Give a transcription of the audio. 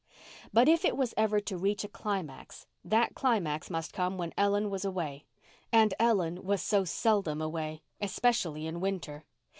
But if it was ever to reach a climax that climax must come when Ellen was away. And Ellen was so seldom away, especially in winter.